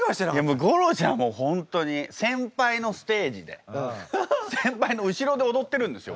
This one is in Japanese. もう吾郎ちゃんは本当に先輩のステージで先輩の後ろで踊ってるんですよ